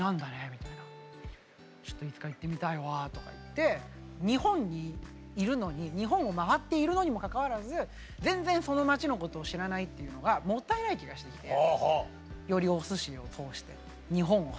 みたいな「ちょっといつか行ってみたいわ」とか言って日本にいるのに日本をまわっているのにもかかわらず全然その街のことを知らないっていうのがもったいない気がしてきて。